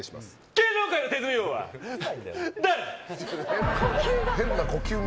芸能界の手積み王は誰だ！？